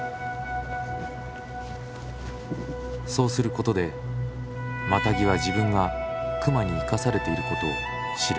そうすることでマタギは自分が熊に生かされていることを知る。